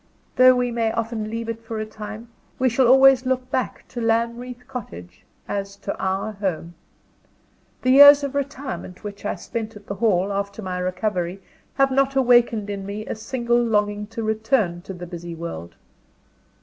Though we may often leave it for a time, we shall always look back to Lanreath Cottage as to our home. The years of retirement which I spent at the Hall, after my recovery, have not awakened in me a single longing to return to the busy world.